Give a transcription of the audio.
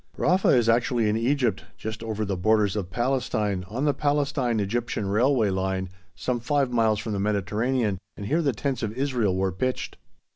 Rafa is actually in Egypt, just over the borders of Palestine, on the Palestine Egyptian Railway line some five miles from the Mediterranean, and here the tents of Israel were pitched.